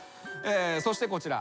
そしてこちら。